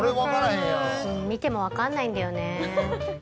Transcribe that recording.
見ても分かんないんだよね。